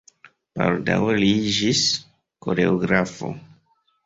Baldaŭe li iĝis koreografo.